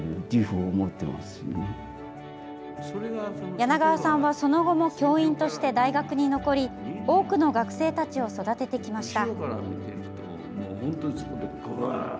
柳川さんは、その後も教員として大学に残り多くの学生たちを育ててきました。